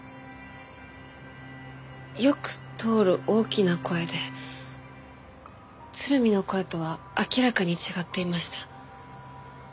よく通る大きな声で鶴見の声とは明らかに違っていました。